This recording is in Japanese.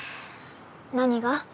何が？